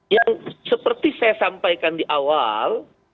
yang seperti saya sampaikan di awal